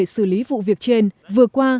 xử lý vụ việc trên vừa qua